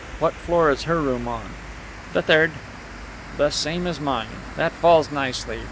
What floor is her room on?" "The third." "The same as mine. That falls nicely.